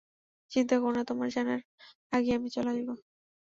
চিন্তা করো না, তোমরা জানার আগেই আমি চলে আসব।